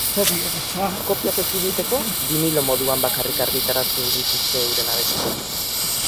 Kopiak ekiditeko binilo moduan bakarrik argitaratu dituzte euren abestiak.